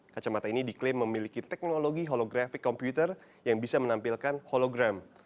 kacamata ini diklaim memiliki teknologi holographic computer yang bisa menampilkan hologram